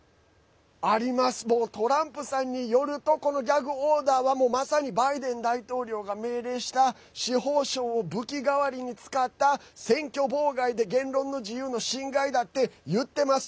トランプさんによるとこのギャグオーダーはまさにバイデン大統領が命令した司法省を武器代わりに使った選挙妨害で言論の自由の侵害だって言っています。